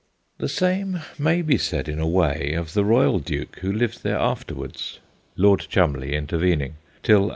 The same may be said in a way of the royal duke who lived there afterwards (Lord Cholmondeley intervening) till 1850.